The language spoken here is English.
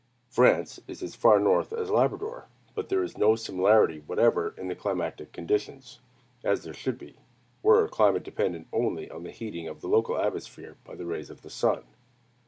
France is as far north as Labrador; but there is no similarity whatever in climatic conditions, as there should be, were climate dependent only on the heating of the local atmosphere by the rays of the sun.